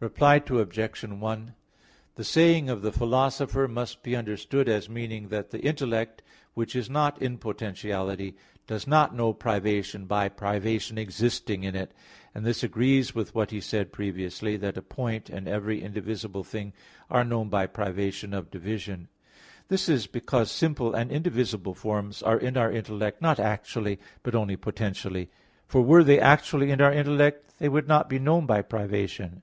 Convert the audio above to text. Reply Obj. 1: The saying of the Philosopher must be understood as meaning that the intellect which is not in potentiality, does not know privation by privation existing in it; and this agrees with what he said previously, that a point and every indivisible thing are known by privation of division. This is because simple and indivisible forms are in our intellect not actually, but only potentially; for were they actually in our intellect, they would not be known by privation.